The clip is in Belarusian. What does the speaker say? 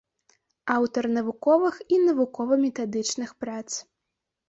Аўтар навуковых і навукова-метадычных прац.